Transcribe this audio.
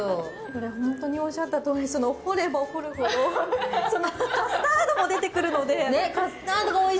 本当におっしゃったとおり掘れば掘るほどカスタードも出てくるので。